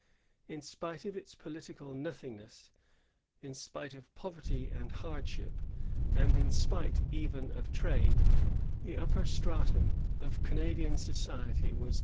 In spite of its political nothingness, in spite of poverty and hardship, and in spite even of trade, the upper stratum of Canadian society was 202 CANADIAN ABSOLUTISM. [166S 1765.